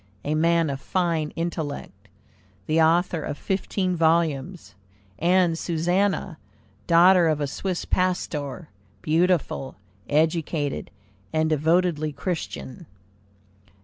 a man of fine intellect, the author of fifteen volumes; and Susanna, daughter of a Swiss pastor, beautiful, educated, and devotedly Christian.